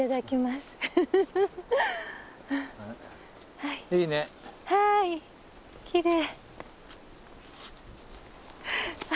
はいきれい。